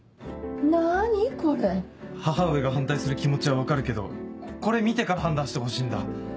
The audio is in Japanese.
母上が反対する気持ちは分かるけどこれ見てから判断してほしいんだ。